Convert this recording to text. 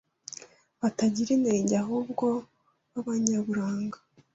batagira inenge, ahubwo b’abanyaburanga,